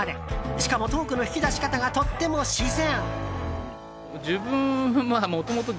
しかも、トークの引き出し方がとっても自然。